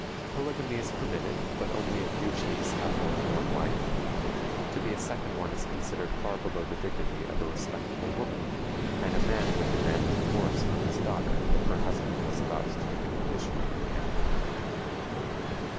Polygamy is permitted, but only a few chiefs have more than one wife. To be a second one is considered far below the dignity of a respectable woman, and a man would demand a divorce for his daughter if her husband was about to take an additional companion.